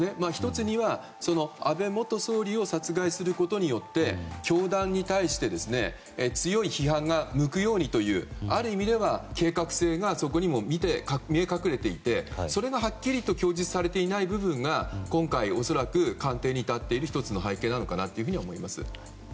１つには、安倍元総理を殺害することによって教団に対して強い批判が向くようにというある意味では計画性がそこにも見え隠れていてそれがはっきりと供述されていない部分が今回、鑑定に至っている１つの背景かなと思います。